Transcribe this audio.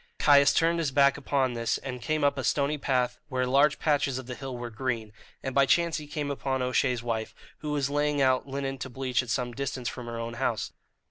Caius turned his back upon this, and came up a stony path where large patches of the hill were green; and by chance he came upon O'Shea's wife, who was laying out linen to bleach at some distance from her own house.